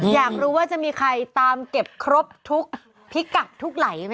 อยากรู้ว่าจะมีใครตามเก็บครบทุกพิกัดทุกไหลไหม